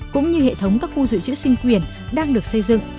cũng như hệ thống các khu dự trữ sinh quyền đang được xây dựng